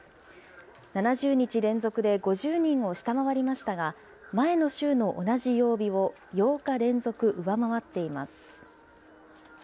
７０日連続で５０人を下回りましたが、前の週の同じ曜日を８日連続上回っています。